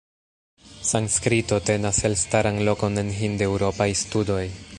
Sanskrito tenas elstaran lokon en Hindeŭropaj studoj.